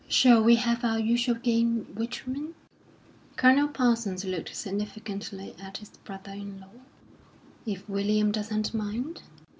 "Shall we have our usual game, Richmond?" Colonel Parsons looked significantly at his brother in law. "If William doesn't mind?"